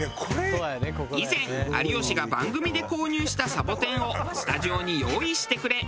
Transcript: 以前有吉が番組で購入したサボテンをスタジオに用意してくれ。